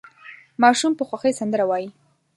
ماشوم په خوښۍ سندره وايي.